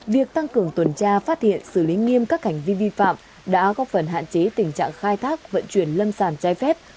việc tăng cường tuần tra phát hiện xử lý nghiêm các hành vi vi phạm đã góp phần hạn chế tình trạng khai thác vận chuyển lâm sản trái phép